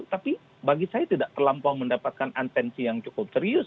tapi bagi saya tidak terlampau mendapatkan atensi yang cukup serius